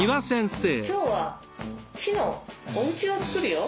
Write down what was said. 今日は木のおうちを作るよ。